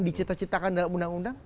dicita citakan dalam undang undang